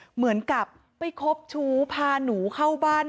เหมือนกับไปคบชู้พาหนูเข้าบ้าน